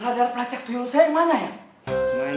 bapak bu bapak pelacak tuyul saya mana ya main